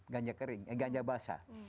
ganja kering ganja basah